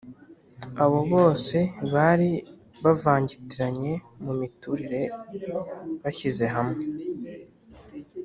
Abo bose bari bavangitiranye mu miturire bashyize hamwe.